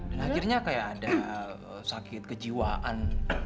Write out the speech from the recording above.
dan akhirnya kaya ada sakit kejiwaan